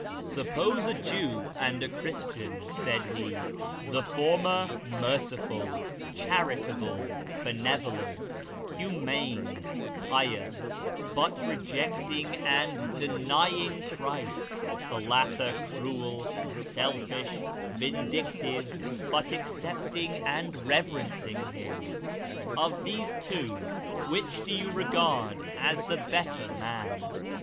" Suppose a Jew and a Christian," said he, " the former merciful, charitable, benevolent, humane, pious, but rejecting and denying Christ ; the latter cruel, selfish, vindictive, but accepting and reverencing Him. Of these two, which do you regard as the better man